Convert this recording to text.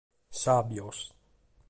Sàbios.